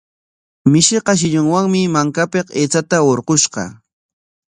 Mishiqa shillunwami makapik aychata hurqushqa.